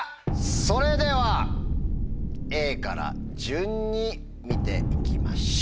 それではＡから順に見て行きましょう！